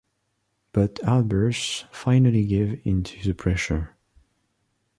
But Albers finally gave in to the pressure.